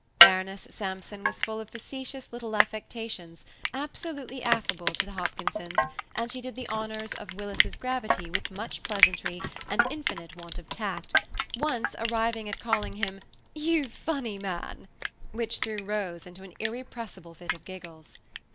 Baroness Sampson was full of facetious little affectations, absolutely affable to the Hopkinsons, and she did the honours of Willis's gravity with much pleasantry, and infinite want of tact, once arriving at calling him "you funny man," which threw Rose into an irrepressible fit of giggles.